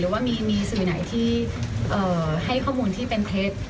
ว่ามีสื่อไหนที่ให้ข้อมูลที่เป็นเท็จ